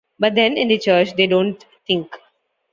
But then in the Church they don't think.